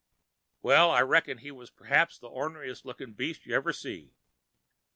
Well, I reckon he was p'raps the orneriest lookin' beast you ever see.